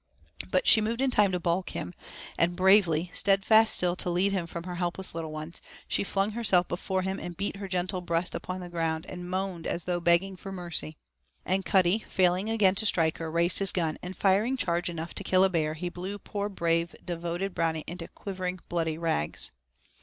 But she moved in time to balk him, and bravely, steadfast still to lead him from her helpless little ones, she flung herself before him and beat her gentle breast upon the ground, and moaned as though begging for mercy. And Cuddy, failing again to strike her, raised his gun and firing charge enough to kill a bear, he blew poor brave, devoted Brownie into quivering, bloody rags.